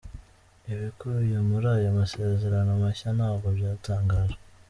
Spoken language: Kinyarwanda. Ibikubiye muri aya masezerano mashya ntabwo byatangajwe.